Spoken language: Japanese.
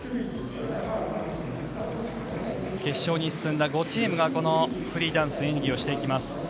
決勝に進んだ５チームがこのフリーダンスで演技をしていきます。